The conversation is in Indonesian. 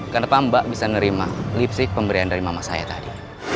karena pambak bisa nerima lipstick pemberian dari mama saya tadi